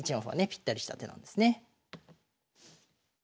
ぴったりした手なんですね。